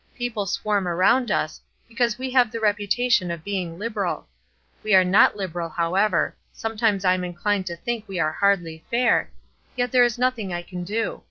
People swarm around us, because we have the reputation of being liberal. We are not liberal, however; sometimes I am inclined to think we are hardly fair, yet there is nothing I can do.